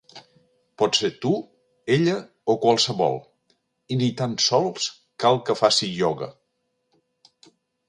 Pots ser tu, ella o qualsevol, i ni tan sols cal que faci ioga.